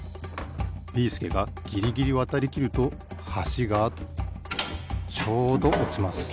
ビーすけがギリギリわたりきるとはしがちょうどおちます。